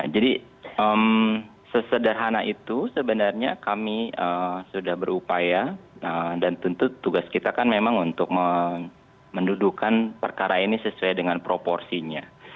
jadi sesederhana itu sebenarnya kami sudah berupaya dan tentu tugas kita kan memang untuk mendudukan perkara ini sesuai dengan proporsinya